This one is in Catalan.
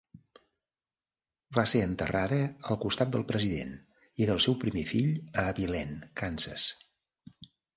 Va ser enterrada al costat del President i del seu primer fill a Abilene, Kansas.